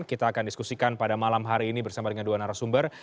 kita akan diskusikan pada malam hari ini bersama dengan dua narasumber